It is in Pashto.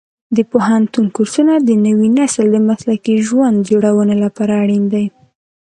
د پوهنتون کورسونه د نوي نسل د مسلکي ژوند جوړونې لپاره اړین دي.